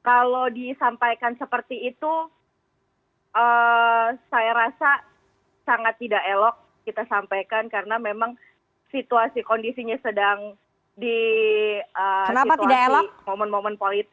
kalau disampaikan seperti itu saya rasa sangat tidak elok kita sampaikan karena memang situasi kondisinya sedang di situasi momen momen politik